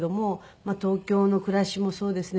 東京の暮らしもそうですね